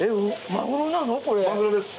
マグロです。